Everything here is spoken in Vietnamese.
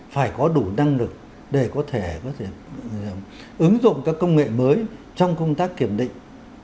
phải có đủ năng lực để có thể ứng dụng các công nghệ mới trong công tác kiểm định